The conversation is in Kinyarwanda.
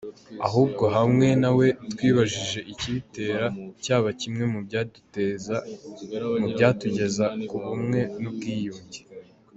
Ahubwo hamwe na we twibajije ikibitera cyaba kimwe mu byatugeza ku bumwe n’ubwiyunge.